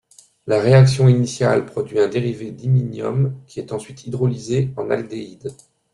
La réaction initiale produit un dérivé d'iminium qui est ensuite hydrolysé en aldéhyde.